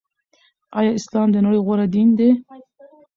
آيا اسلام دنړۍ غوره دين دې